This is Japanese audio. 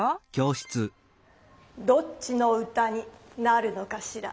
どっちの歌になるのかしら？